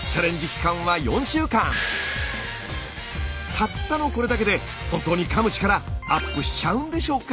たったのこれだけで本当にかむ力アップしちゃうんでしょうか。